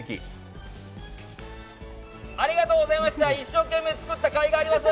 ありがとうございます。